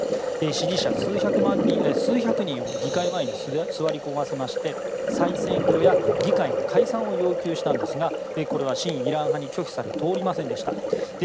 支持者数百万人を議会前に座り込ませて再選挙や議会の解散を要求したんですがこれは親イラン派に拒否され通りませんでした。